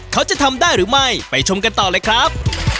เขาจะทำได้หรือไม่ไปชมกันต่อเลยครับ